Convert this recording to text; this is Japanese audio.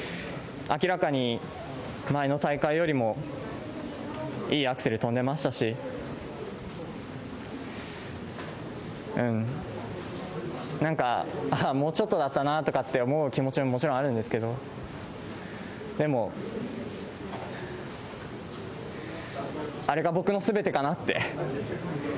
明らかに前の大会よりもいいアクセル跳んでましたし、うん、なんか、もうちょっとだったなとかって思う気持ちももちろんあるんですけど、でも、あれが僕のすべてかなって。